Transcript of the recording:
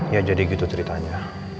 ya jadi gitu ceritanya